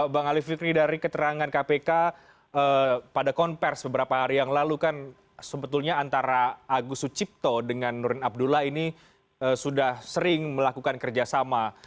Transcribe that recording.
bang ali fikri dari keterangan kpk pada konvers beberapa hari yang lalu kan sebetulnya antara agus sucipto dengan nurin abdullah ini sudah sering melakukan kerjasama